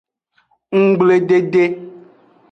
Nggbledede.